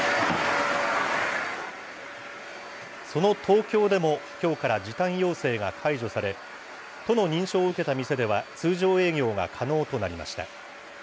その東京でも、きょうから時短要請が解除され、都の認証を受けた店では、通常営業が可能となりました。